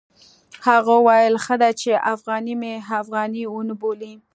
هغه وویل ښه دی چې افغاني مې افغاني ونه بولي.